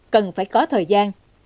cần phải có thời gian